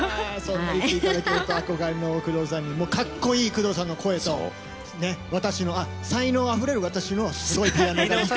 そう言っていただけると憧れの工藤さんのかっこいい声と私の才能あふれる私のピアノと。